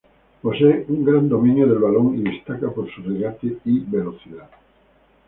Posee un gran dominio del balón y destaca por su regate y velocidad.